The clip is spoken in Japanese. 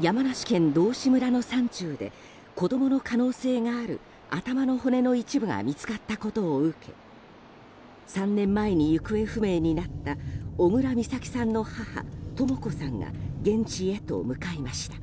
山梨県道志村の山中で子供の可能性がある頭の骨の一部が見つかったことを受け３年前に行方不明になった小倉美咲さんの母・とも子さんが現地へと向かいました。